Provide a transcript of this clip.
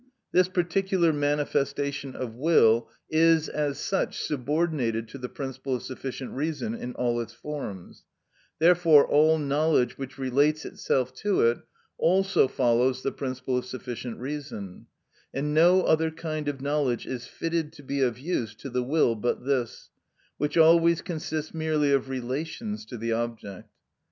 This particular manifestation of will is, as such, subordinated to the principle of sufficient reason in all its forms; therefore, all knowledge which relates itself to it also follows the principle of sufficient reason, and no other kind of knowledge is fitted to be of use to the will but this, which always consists merely of relations to the object.